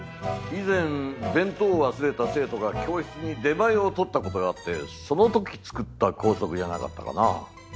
以前弁当を忘れた生徒が教室に出前をとった事があってその時作った校則じゃなかったかな。